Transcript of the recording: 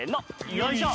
よいしょ。